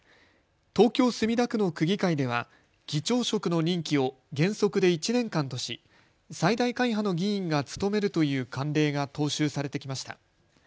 東京墨田区の区議会では議長職の任期を原則で１年間とし最大会派の議員が務めるという慣例が踏襲されてきました。